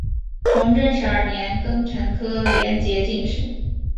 崇祯十二年庚辰科联捷进士。